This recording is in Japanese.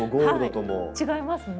違いますよね。